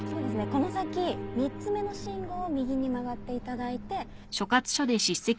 この先３つ目の信号を右に曲がっていただいて。